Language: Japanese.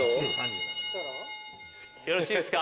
よろしいですか？